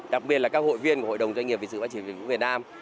đặc biệt là các hội viên của hội đồng doanh nghiệp về sự phát triển việt nam